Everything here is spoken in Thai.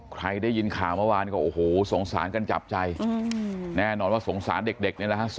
ใครได้ยินข่าวเมื่อวานก็โอ้โหสงสารกันจับใจแน่นอนว่าสงสารเด็กนี่แหละฮะ